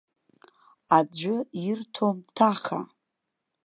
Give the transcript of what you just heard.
Аӡәы ирҭом ҭаха.